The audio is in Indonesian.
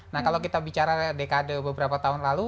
nah kalau kita bicara dekade beberapa tahun lalu